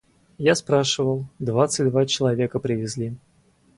Я спрашивал: двадцать два человека привезли.